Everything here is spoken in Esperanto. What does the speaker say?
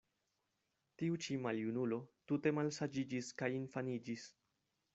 Tiu ĉi maljunulo tute malsaĝiĝis kaj infaniĝis.